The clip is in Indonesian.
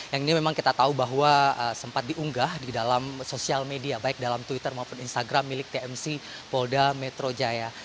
yang ini memang kita tahu bahwa sempat diunggah di dalam sosial media baik dalam twitter maupun instagram milik tmc polda metro jaya